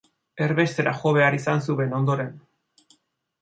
Erbestera jo behar izan zuen ondoren.